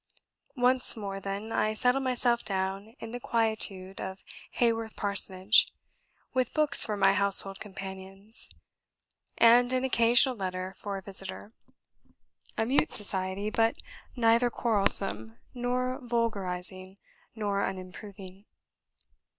... Once more, then, I settle myself down in the quietude of Haworth Parsonage, with books for my household companions, and an occasional letter for a visitor; a mute society, but neither quarrelsome, nor vulgarising, nor unimproving.